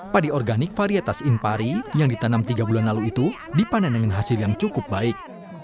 padi organik varietas impari yang ditanam tiga bulan lalu itu dipanen dengan hasil yang cukup baik